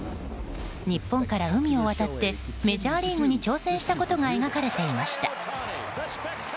日本から海を渡ってメジャーリーグに挑戦したことが描かれていました。